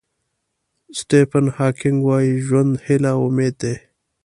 سټیفن هاکینګ وایي ژوند هیله او امید دی.